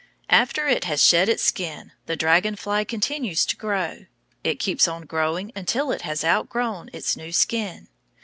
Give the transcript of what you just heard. After it has shed its skin the dragon fly continues to grow. It keeps on growing until it has outgrown its new skin.